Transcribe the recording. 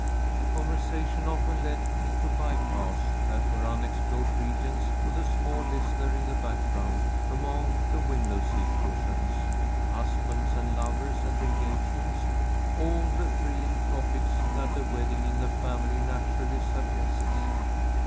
The conversation often led into by paths that were unexplored regions to the small listener in the background among the window seat cushions: husbands and lovers and engagements, all the thrilling topics that a wedding in the family naturally suggests.